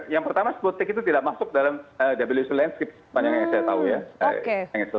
yang pertama spottik itu tidak masuk dalam who landscape sepanjang yang saya tahu ya